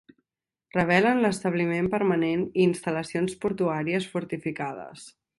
Revelen l'establiment permanent i instal·lacions portuàries fortificades.